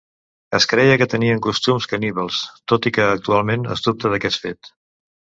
Es creia que tenien costums caníbals, tot i que actualment es dubta d'aquest fet.